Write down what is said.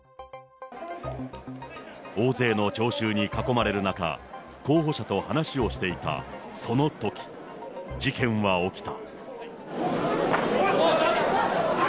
大勢の聴衆に囲まれる中、候補者と話をしていたそのとき、事件は起きた。